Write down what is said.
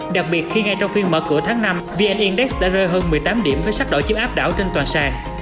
đặc biệt khi ngay trong phiên mở cửa tháng năm vn index đã rơi hơn một mươi tám điểm với sát đổi chiếm áp đảo trên toàn sàn